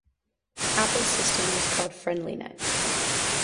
Apple's system was called FriendlyNet.